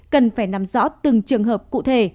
cần phải nắm rõ từng trường hợp cụ thể